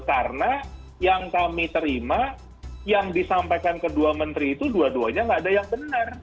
karena yang kami terima yang disampaikan kedua menteri itu dua duanya nggak ada yang benar